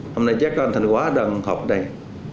hôm nay chắc có anh thành quá đang học đây